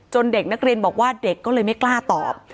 เด็กนักเรียนบอกว่าเด็กก็เลยไม่กล้าตอบ